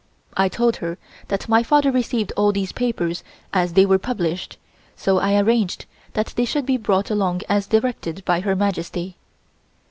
I told her that my father received all these papers as they were published, so I arranged that they should be brought along as directed by Her Majesty.